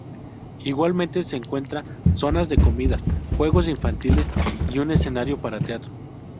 Igualmente se encuentra zonas de comidas, juegos infantiles y un escenario para teatro.